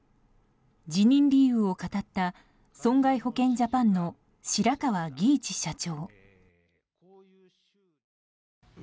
辞任理由を語った損害保険ジャパンの白川儀一社長。